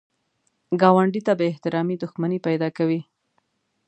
ګاونډي ته بې احترامي دښمني پیدا کوي